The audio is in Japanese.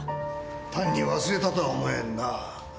単に忘れたとは思えんな。